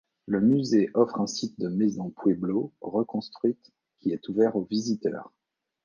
Le musée offre un site de maison Pueblo reconstruite qui est ouvert aux visiteurs.